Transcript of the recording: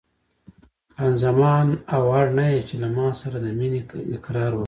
خان زمان: او اړ نه یې چې له ما سره د مینې اقرار وکړې.